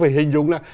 phải hình dung là